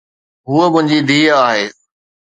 ھوءَ منھنجي ڌيءَ آھي.